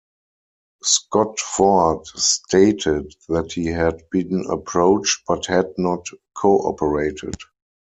Scott-Ford stated that he had been approached but had not cooperated.